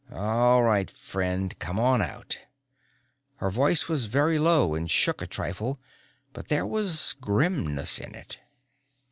"All right, friend. Come on out." Her voice was very low and shook a trifle but there was grimness in it.